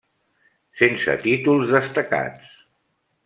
Sense títols destacats.